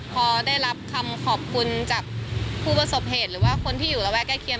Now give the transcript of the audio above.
พอได้รับคำขอบคุณจากผู้ประสบเหตุหรือว่าคนที่อยู่ระแวะใกล้เคียง